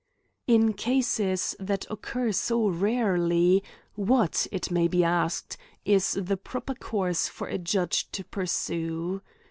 In cases that occur so rarely, what, it may be asked, is the proper course for a judge to pursue